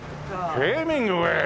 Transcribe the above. ヘミングウェイ！